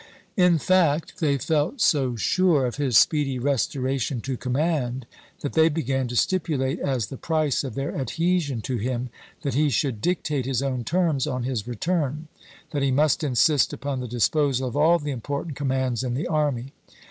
In fact, they felt so sure of his speedy restoration to command that they began to stipulate as the price of their adhesion to him that he should dictate his own terms on his return ; that he must insist upon the disposal of all weues, the important commands in the army.